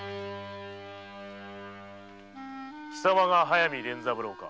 貴様が速水連三郎か？